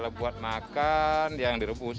buat makan yang direbus